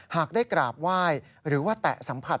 หากได้กราบไหว้หรือว่าแตะสัมผัส